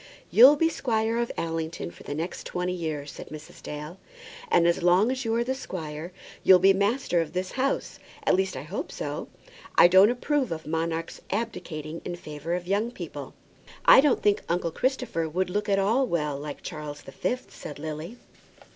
"You'll be squire of Allington for the next twenty years," said Mrs. Dale. "And as long as you are the squire, you'll be master of this house; at least, I hope so. I don't approve of monarchs abdicating in favour of young people." "I don't think uncle Christopher would look at all well like Charles the Fifth," said Lily.